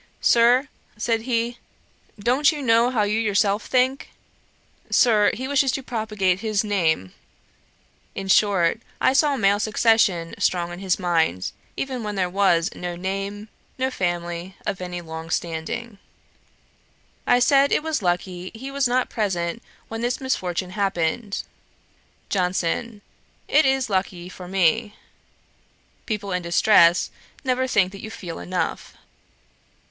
'Sir, (said he,) don't you know how you yourself think? Sir, he wishes to propagate his name.' In short, I saw male succession strong in his mind, even where there was no name, no family of any long standing. I said, it was lucky he was not present when this misfortune happened. JOHNSON. 'It is lucky for me. People in distress never think that you feel enough.'